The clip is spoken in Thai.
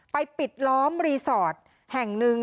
ปิดล้อมรีสอร์ทแห่งหนึ่ง